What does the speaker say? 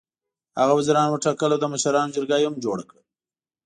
هغه وزیران وټاکل او د مشرانو جرګه یې هم جوړه کړه.